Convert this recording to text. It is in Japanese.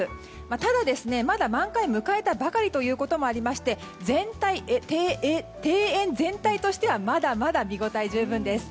ただ、まだ満開を迎えたばかりということもありまして庭園全体としてはまだまだ見ごたえ十分です。